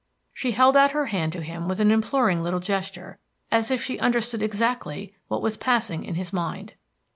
She held out her hand to him with an imploring little gesture, as if she understood exactly what was passing in his mind.